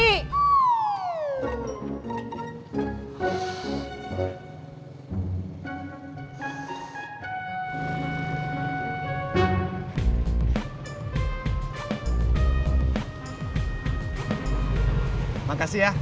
terima kasih ya